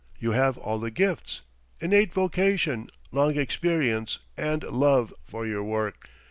You have all the gifts innate vocation, long experience, and love for your work.